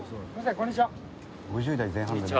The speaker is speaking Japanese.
こんにちは。